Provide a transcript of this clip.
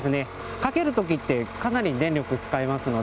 かけるときって、かなり電力使いますので。